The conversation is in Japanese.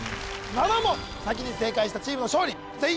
７問先に正解したチームの勝利全員